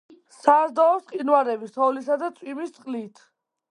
საზრდოობს მყინვარების, თოვლისა და წვიმის წყლით.